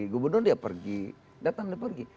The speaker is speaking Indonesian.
gubernur dia pergi datang dia pergi